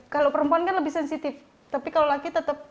kalau perempuan kan lebih sensitif tapi kalau laki tetap